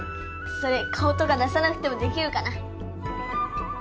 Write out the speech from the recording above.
それ顔とか出さなくてもできるかな？